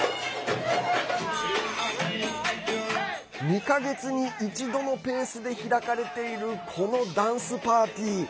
２か月に一度のペースで開かれているこのダンスパーティー。